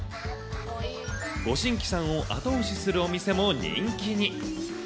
ご新規さんを後押しするお店も人気に。